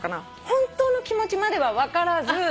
本当の気持ちまでは分からず。